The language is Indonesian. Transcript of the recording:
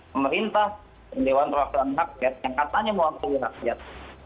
pemerintah dan dewan perwakilan rakyat yang katanya mewakili rakyat